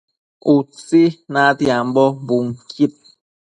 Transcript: Utsi natiambo bunquid